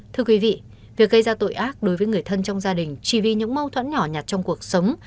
thưa quý vị việc gây ra tội ác đối với người thân trong gia đình chỉ vì những mâu thuẫn nhỏ nhặt trong cuộc sống